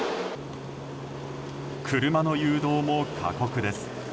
車の誘導も過酷です。